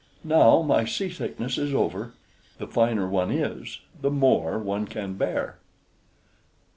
Now my seasickness is over. The finer one is, the more one can bear."